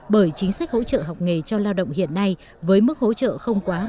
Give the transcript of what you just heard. bởi chính sách hỗ trợ học nghề cho lao động hiện nay với mức hỗ trợ không quá